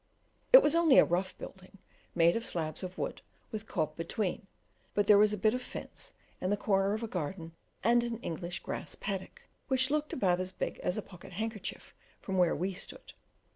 It was only a rough building, made of slabs of wood with cob between; but there was a bit of fence and the corner of a garden and an English grass paddock, which looked about as big as a pocket handkerchief from where we stood.